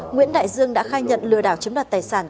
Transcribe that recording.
nguyễn đại dương đã khai nhận lừa đảo chiếm đoạt tài sản